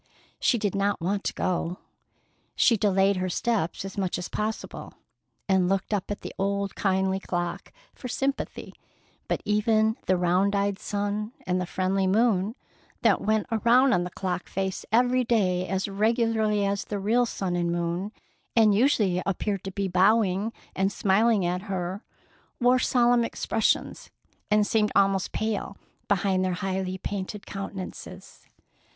She did not want to go. She delayed her steps as much as possible, and looked up at the kindly old clock for sympathy; but even the round eyed sun and the friendly moon that went around on the clock face every day as regularly as the real sun and moon, and usually appeared to be bowing and smiling at her, wore solemn expressions, and seemed almost pale behind their highly painted countenances.